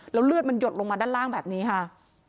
แล้วเลือดมันหยดลงมาด้านล่างแบบนี้ค่ะ